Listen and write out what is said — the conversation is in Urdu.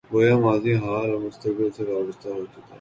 گویا ماضی، حال اور مستقبل سے وابستہ ہو جاتا ہے۔